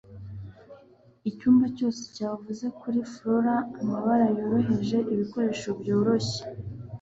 icyumba cyose cyavuze kuri flora, amabara yoroheje, ibikoresho byoroshye